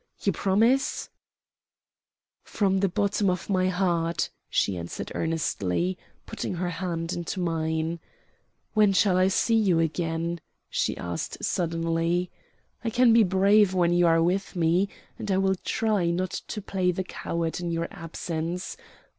You promise?" "From the bottom of my heart," she answered earnestly, putting her hand into mine. "When shall I see you again?" she asked suddenly. "I can be brave when you are with me, and I will try not to play the coward in your absence.